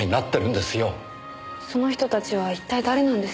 その人たちは一体誰なんです？